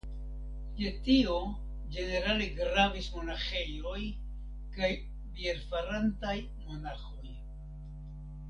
Je tio ĝenerale gravis monaĥejoj kaj bierfarantaj monaĥoj.